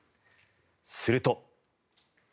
すると。